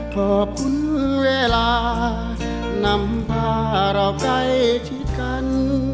ขอบคุณเวลานำพาเราใกล้ชิดกัน